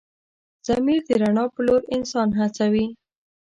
ضمیر د رڼا په لور انسان هڅوي.